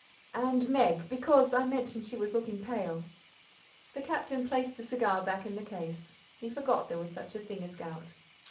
"And Meg, because I mentioned she was looking pale." The Captain placed the cigar back in the case. He forgot there was such a thing as gout.